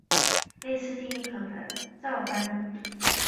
类似定义可以照搬至右模的情况。